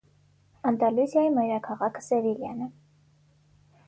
Անդալուզիայի մայրաքաղաքը Սևիլյան է։